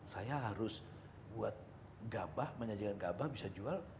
saya harus buat gabah menyajikan gabah bisa jual